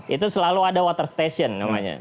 itu selalu ada water station namanya